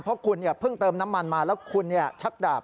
เพราะคุณเพิ่งเติมน้ำมันมาแล้วคุณชักดาบ